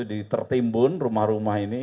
jadi tertimbun rumah rumah ini